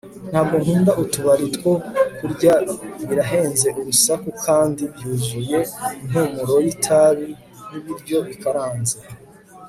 Ntabwo nkunda utubari two kurya Birahenze urusaku kandi byuzuye impumuro yitabi nibiryo bikaranze